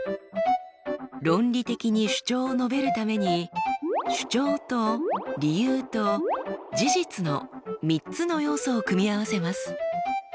論理的に主張を述べるために主張と理由と事実の３つの要素を組み合わせます。